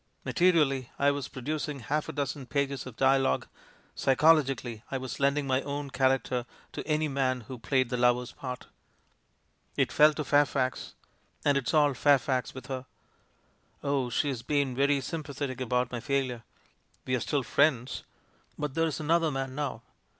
Materially, I was producing half a dozen pages of dialogue ; psychologically, I was lending my own character to any man who played the lover's part. "It fell to Fairfax— and it's all 'Fairfax' with her. Oh, she has been very sympathetic about my failure, we're still friends, but — there's an other man now